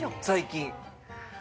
最近。